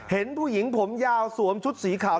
เห็นผู้หญิงผมยาวสวมชุดสีขาว